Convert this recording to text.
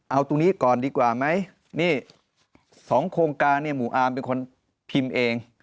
เอาตรงนี้ก่อนดีกว่าไหมนี่๒โครงการเนี่ยหมู่อาร์มเป็นคนพิมพ์เอง